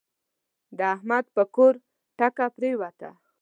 د احمد پر کور ټکه پرېوته.